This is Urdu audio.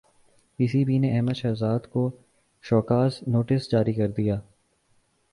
پی سی بی نے احمد شہزاد کو شوکاز نوٹس جاری کردیا